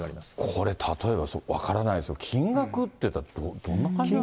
これ、例えば分からないですよ、金額でいったら、どんな感じなんですか。